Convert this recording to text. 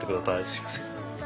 すいません。